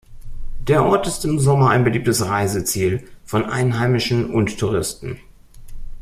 Der Ort ist im Sommer ein beliebtes Reiseziel von Einheimischen und Touristen.